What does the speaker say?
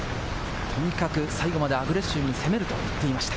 とにかく最後までアグレッシブに攻めると言っていました。